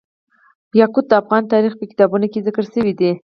یاقوت د افغان تاریخ په کتابونو کې ذکر شوی دي.